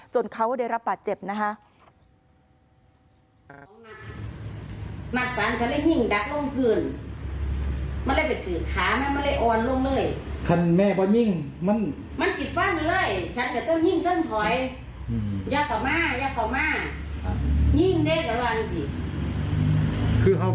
จนเขาว่าได้รับปากเจ็บนะฮะ